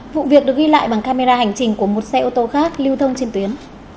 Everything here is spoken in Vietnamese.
vụ việc được ghi lại bằng camera hành trình của một xe ô tô khác lưu thông trên tuyến